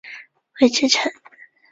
韦志成。